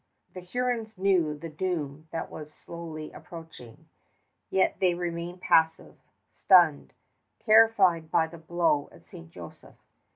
The Hurons knew the doom that was slowly approaching. Yet they remained passive, stunned, terrified by the blow at St. Joseph.